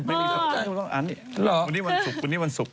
ไม่มีต้องอ่านอีกคุณนี้วันศุกร์